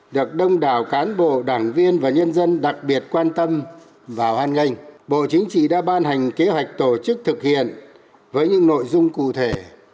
được đông đảo cán bộ đảng viên và nhân dân đặc biệt quan tâm và hoan nghênh bộ chính trị đã ban hành kế hoạch tổ chức thực hiện với những nội dung cụ thể